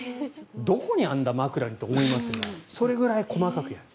どこにあるんだ、枕にと思いますがそれぐらい細かくやる。